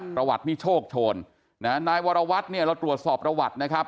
ประวัตินี่โชคโชนนะฮะนายวรวัตรเนี่ยเราตรวจสอบประวัตินะครับ